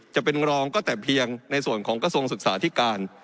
จะเป็นรองก็แต่เพียงในส่วนของกระทรวงศึกษาที่การ